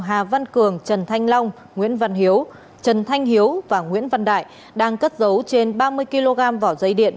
hà văn cường trần thanh long nguyễn văn hiếu trần thanh hiếu và nguyễn văn đại đang cất dấu trên ba mươi kg vỏ dây điện